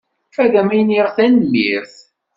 Ad am-iniɣ tanemmirt.